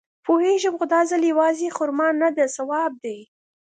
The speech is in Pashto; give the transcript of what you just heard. پوېېږم خو دا ځل يوازې خرما نده ثواب دی.